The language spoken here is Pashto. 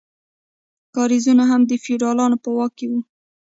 کاریزونه هم د فیوډالانو په واک کې وو.